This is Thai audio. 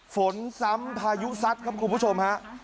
ฝนซ้ำพายุสัตว์ครับคุณผู้ชมครับ